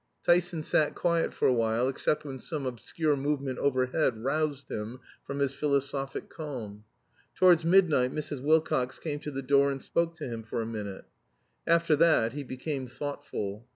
Tyson sat quiet for a while, except when some obscure movement overhead roused him from his philosophic calm. Towards midnight Mrs. Wilcox came to the door and spoke to him for a minute. After that he became thoughtful.